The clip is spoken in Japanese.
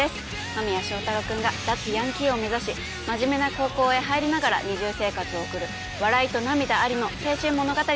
間宮祥太朗君が脱ヤンキーを目指し真面目な高校へ入りながら二重生活を送る笑いと涙ありの青春物語です。